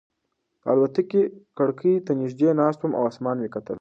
د الوتکې کړکۍ ته نږدې ناست وم او اسمان مې کتل.